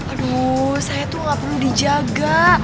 aduh saya tuh gak perlu dijaga